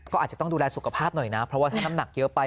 ก็อาจจะต้องดูแลสุขภาพหน่อยนะเพราะว่าถ้าน้ำหนักเยอะไป